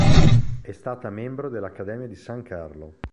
È stata membro dell'Accademia di San Carlo.